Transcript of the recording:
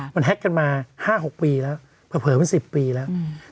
มันแฮกกันมาห้าหกปีแล้วเผลอเผลอเป็นสิบปีแล้วอืม